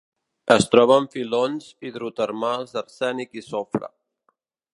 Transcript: Es troba en filons hidrotermals d'arsènic i sofre.